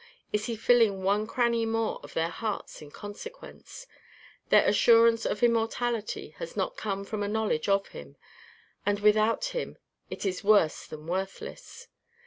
Is he filling one cranny more of their hearts in consequence? Their assurance of immortality has not come from a knowledge of him, and without him it is worse than worthless.